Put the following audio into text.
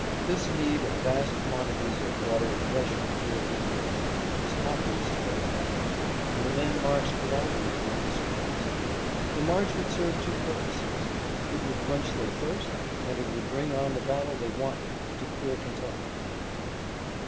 This need of vast quantities of water fresh and cool from the earth, was obvious to everybody, and the men marched gladly toward the springs. The march would serve two purposes: it would quench their thirst, and it would bring on the battle they wanted to clear Kentucky of the enemy.